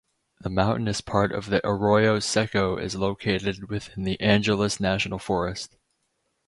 The mountainous part of the Arroyo Seco is located within the Angeles National Forest.